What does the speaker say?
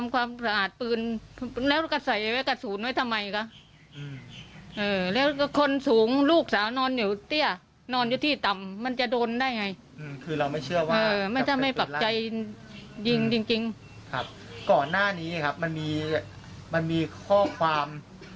ก่อนหน้านี้มันมีข้อความ